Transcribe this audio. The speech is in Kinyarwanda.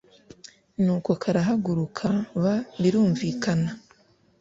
nuko karahaguruka b birumvikana